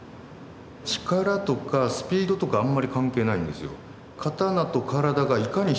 力とかスピードとかあんまり関係ないんですよ。